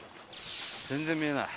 全然見えない。